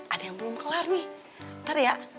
ada yang belum kelar nih ntar ya